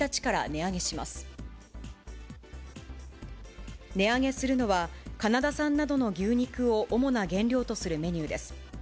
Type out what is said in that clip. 値上げするのは、カナダ産などの牛肉を主な原料とするメニューです。